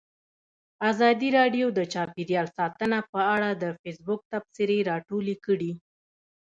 ازادي راډیو د چاپیریال ساتنه په اړه د فیسبوک تبصرې راټولې کړي.